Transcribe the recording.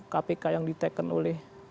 kpk yang ditekan oleh